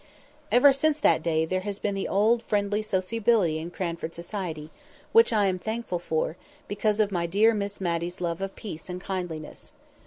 Ever since that day there has been the old friendly sociability in Cranford society; which I am thankful for, because of my dear Miss Matty's love of peace and kindliness.